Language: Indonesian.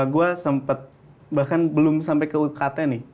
gue sempat bahkan belum sampai ke ukt nih